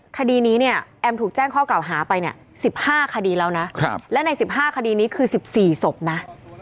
คดีนี้เนี่ยแอมถูกแจ้งข้อกล่าวหาไปเนี่ย๑๕คดีแล้วนะและใน๑๕คดีนี้คือ๑๔ศพนะ